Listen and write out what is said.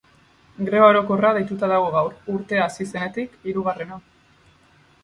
Greba orokorra deituta dago gaur, urtea hasi zenetik hirugarrena.